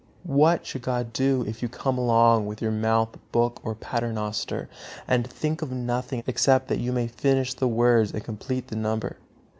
What should God do, if you come along with your mouth, book or Paternoster, and think of nothing except that you may finish the words and complete the number?